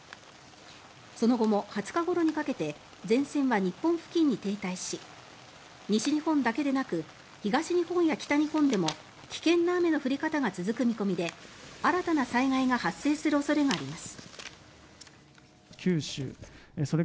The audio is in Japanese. その後も２０日ごろにかけて前線は日本付近に停滞し西日本だけでなく東日本や北日本でも危険な雨の降り方が続く見込みで新たな災害が発生する恐れがあります。